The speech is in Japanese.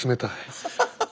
ハハハハ。